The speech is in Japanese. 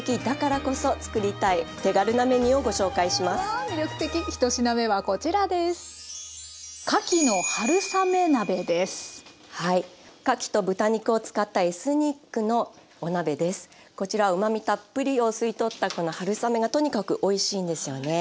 こちらうまみたっぷりを吸い取ったこの春雨がとにかくおいしいんですよね。